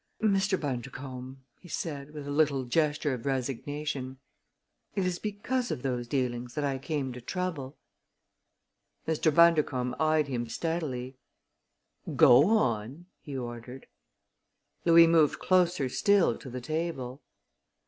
"Mr. Bundercombe," he said, with a little gesture of resignation, "it is because of those dealings that I came to trouble." Mr. Bundercombe eyed him steadily. "Go on!" he ordered. Louis moved closer still to the table.